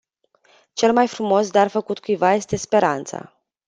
Cel mai frumos dar făcut cuiva este speranța.